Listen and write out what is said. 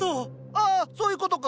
ああそういうことか。